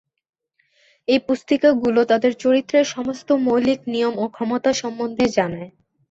এই পুস্তিকাগুলো তাদের চরিত্রের সমস্ত মৌলিক নিয়ম ও ক্ষমতা সম্বন্ধে জানায়।